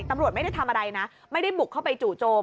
ตำรวจไม่ได้ทำอะไรนะไม่ได้บุกเข้าไปจู่โจม